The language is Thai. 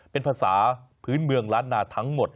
เป็นภาษาพื้นเมืองล้านนาทั้งหมด